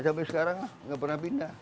sampai sekarang nggak pernah pindah